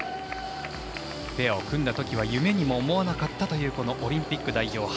ペアを組んだときは夢にも思わなかったというオリンピック代表